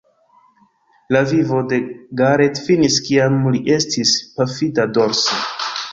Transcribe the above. La vivo de Garrett finis kiam li estis pafita dorse.